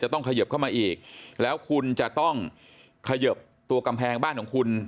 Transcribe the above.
ต้องเขยิบเข้ามาอีกแล้วคุณจะต้องเขยิบตัวกำแพงบ้านของคุณ